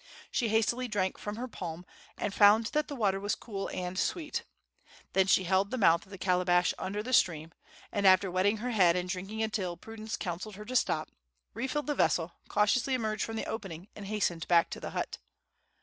She hastily drank from her palm, and found that the water was cool and sweet. Then she held the mouth of the calabash under the stream, and, after wetting her head and drinking until prudence counseled her to stop, refilled the vessel, cautiously emerged from the opening, and hastened back to the hut.